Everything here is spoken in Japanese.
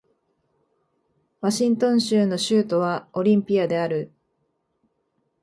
ワシントン州の州都はオリンピアである